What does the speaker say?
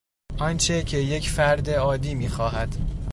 آنچه که یک فرد عادی میخواهد